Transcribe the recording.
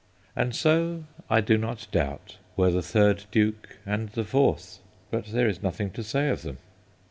And so, I do not doubt, were the third Duke and the fourth ; but there is nothing to say of them.